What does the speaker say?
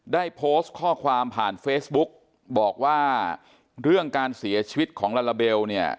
ได้โพสต์ข้อความผ่านเฟซบุ๊กบอกว่าเรื่องการเสียชีวิตของลาลาเบลเนี่ย